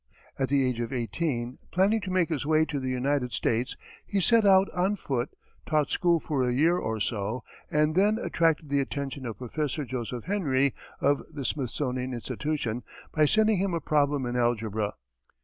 At the age of eighteen, planning to make his way to the United States, he set out on foot, taught school for a year or so, and then attracted the attention of Prof. Joseph Henry, of the Smithsonian Institution, by sending him a problem in algebra.